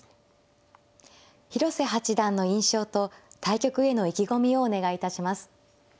広瀬八段の印象と対局への意気込みをお願いいたします。